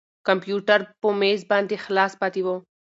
کمپیوټر په مېز باندې خلاص پاتې و.